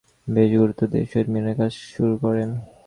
বেশ গুরুত্ব দিয়ে শহীদ মিনারের কাজ শুরু করেন।